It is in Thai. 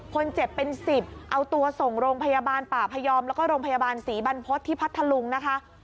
คนเจ็บเป็น๑๐เอาตัวส่งโรงพยาบาลป่าพยอมแล้วก็โรงพยาบาลศรีบรรพฤษที่พัทธลุงนะคะ